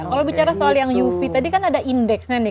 kalau bicara soal yang uv tadi kan ada indeksnya nih